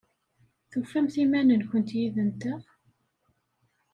Tufamt iman-nkent yid-nteɣ?